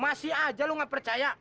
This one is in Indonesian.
masih aja lu gak percaya